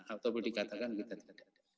atau boleh dikatakan kita tidak ada